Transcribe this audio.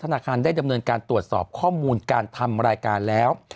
ธนาคารได้ดำเนินการตรวจสอบข้อมูลการทำรายการแล้ว